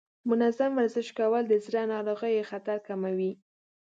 منظم ورزش کول د زړه ناروغیو خطر کموي.